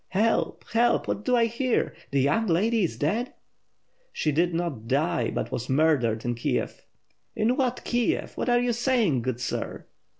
"Help! Help! What do I hear? The young lady is dead?" "She did not die, but was murdered in Kiev." "In what Kiev? What are you saying, good sir?"